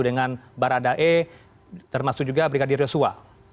dengan baradae termasuk juga brigadir yosua